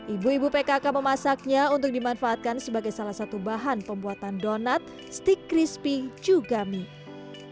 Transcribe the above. ibu ibu pkk memasaknya untuk dimanfaatkan sebagai salah satu bahan pembuatan donat stik crispy juga mie